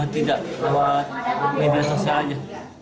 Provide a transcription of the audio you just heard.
tidak lewat media sosialnya